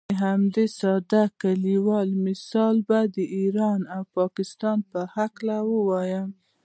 د همدې ساده کلیوال مثال به د ایران او پاکستان په هکله ووایم.